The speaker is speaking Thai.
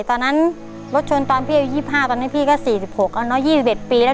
ตอนนั้นรถชนตอนพี่อายุ๒๕ตอนนี้พี่ก็๔๖เอาเนอะ๒๑ปีแล้ว